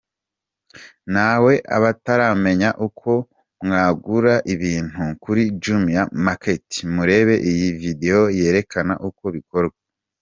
Nawe abataramenya uko mwagura ibintu kuri Jumia Market, Murebe iyi video yerekana uko bikorwa.